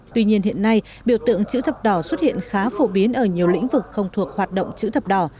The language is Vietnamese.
tuy nhiên hiện nay biểu tượng chữ thập đỏ xuất hiện khá phổ biến ở nhiều lĩnh vực không thuộc hoạt động chữ thập đỏ